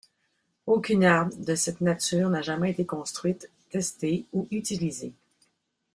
Aucune arme de cette nature n'a jamais été construite, testée ou utilisée.